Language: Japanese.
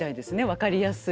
分かりやすい。